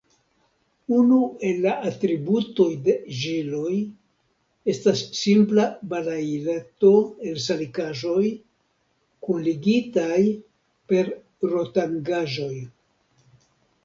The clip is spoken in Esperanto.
Unu el la atributoj de ĵiloj estas simpla balaileto el salikaĵoj, kunligitaj per rotangaĵoj.